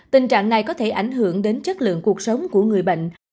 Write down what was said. tình trạng này có thể ảnh hưởng đến chất lượng cuộc sống của người bệnh